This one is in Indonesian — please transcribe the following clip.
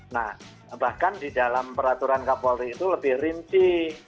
nah bahkan di dalam peraturan kapolri itu lebih rinci